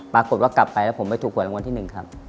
ปรากฏว่ากลับไปแล้วผมไม่ถูกหวยรางวัลที่๑ครับ